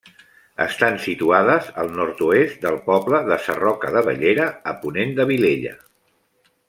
Estan situades al nord-oest del poble de Sarroca de Bellera, a ponent de Vilella.